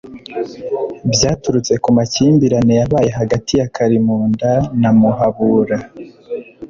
byaturutse ku makimbirane yabaye hagati ya kalimunda na muhabura